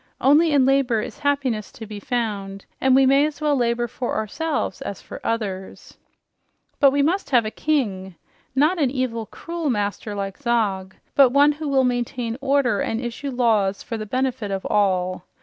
Only in labor is happiness to be found, and we may as well labor for ourselves as for others. "But we must have a king. Not an evil, cruel master like Zog, but one who will maintain order and issue laws for the benefit of all.